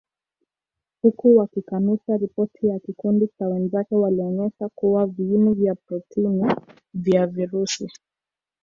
Huku wakikanusha ripoti ya kikundi cha wenzake walionyesha kuwa viini vya protini vya virusi